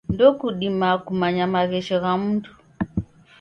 Ndokudimaa kumanya maghesho gha mundu.